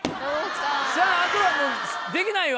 さぁあとはもう。